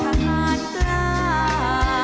เสียงรัก